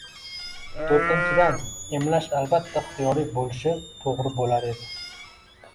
To‘rtinchidan, emlash albatta ixtiyoriy bo‘lishi to‘g‘ri bo‘lar edi.